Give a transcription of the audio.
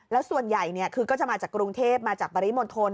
แล้วส่วนใหญ่คือก็จะมาจากกรุงเทพมาจากปริมณฑล